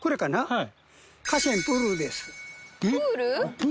はい。